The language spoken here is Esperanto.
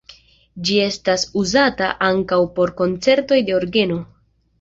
Ĝi estas uzata ankaŭ por koncertoj de orgeno.